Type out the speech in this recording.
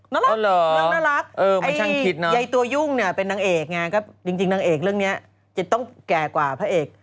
น่ารักน่ารักน่ารักไยตัวยุ่งเป็นนางเอกไงจริงนางเอกเรื่องนี้จะต้องแก่กว่าพระเอก